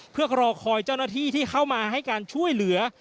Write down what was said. เพื่อรอคอยเจ้าหน้าที่ที่เข้ามาให้การช่วยเหลือ